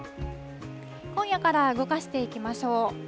今夜から動かしていきましょう。